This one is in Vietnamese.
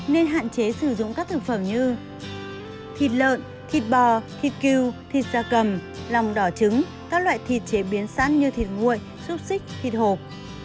nên hạn chế sử dụng các thực phẩm như thịt lợn thịt bò thịt cừu thịt da cầm lòng đỏ trứng các loại thịt chế biến sẵn như thịt nguội xúc xích thịt hộp